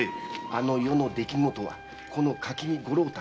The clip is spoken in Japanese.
「あの夜の出来事はこの垣見五郎太